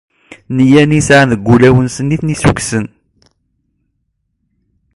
Nniya-nni i sɛan deg wulawen-nsen i ten-issukksen.